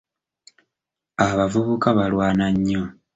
Abavubuka balwana nnyo.